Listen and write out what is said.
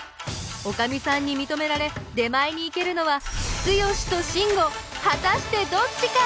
おかみさんにみとめられ出前に行けるのはツヨシとシンゴ果たしてどっちか！？